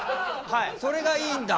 それがいいんだ！？